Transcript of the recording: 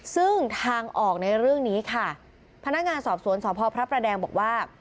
ซึ่งทางออกในเรื่องนี้ค่ะพนักงานสอบสวนสพพระประแดงบอกว่า